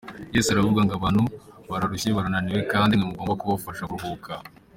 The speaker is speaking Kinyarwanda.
Yesu aravuga ngo abantu bararushye barananiwe, kandi nimwe mugomba kubafasha kuruhuka.